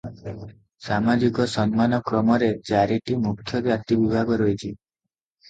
ସାମାଜିକ ସମ୍ମାନ କ୍ରମରେ ଚାରିଟି ମୁଖ୍ୟ ଜାତି ବିଭାଗ ରହିଛି ।